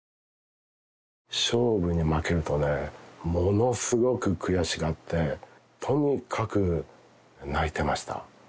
勝負に負けるとね、ものすごく悔しがって、とにかく泣いてました。